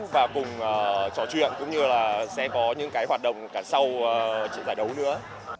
và trò chuyện cũng như là sẽ có những cái hoạt động cả sau giải đấu nữa